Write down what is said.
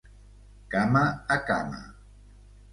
Cama a cama.